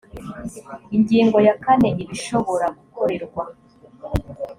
ingingo ya kane ibishobora gukorerwa